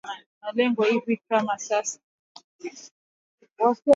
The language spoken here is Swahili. Malengo makuu ya Idhaa ya kiswahili ya Sauti ya Amerika kwa hivi sasa ni